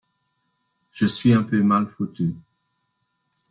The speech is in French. Je suis un peu mal foutu.